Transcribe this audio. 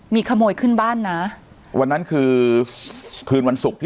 มีขโมยขึ้นบ้านนะวันนั้นคือคืนวันศุกร์ที่